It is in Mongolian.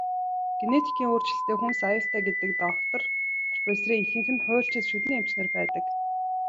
Генетикийн өөрчлөлттэй хүнс аюултай гэдэг доктор, профессорын ихэнх нь хуульчид, шүдний эмч нар байдаг.